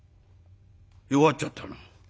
弱っちゃったな。